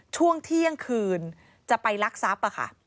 ช่วงเที่ยงคืนจะไปลักทรัพย์ค่ะ